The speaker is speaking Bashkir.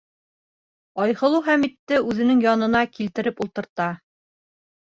Айһылыу Хәмитте үҙенең янына килтереп ултырта.